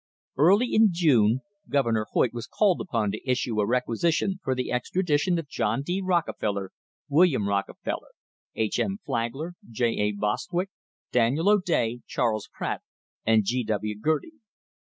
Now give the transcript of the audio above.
Early in June Governor Hoyt was called upon to issue a requisition for the extradition of John D. Rockefeller, Wil liam Rockefeller, H. M. Flagler, J. A. Bostwick, Daniel O'Day, Charles Pratt and G. W. Girty.